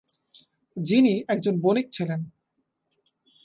যিনি একজন বণিক ছিলেন।